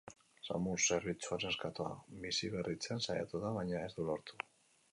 Samur zerbitzua neskatoa biziberritzen saiatu da baina ez du lortu.